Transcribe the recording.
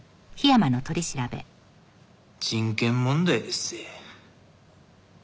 人権問題でっせ。